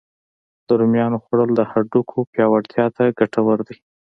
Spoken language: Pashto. د رومیانو خوړل د هډوکو پیاوړتیا ته ګتور دی